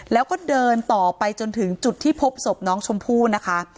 แล้วก็เดินต่อไปจนถึงจุดที่พบศพน้องชมพู่นะคะ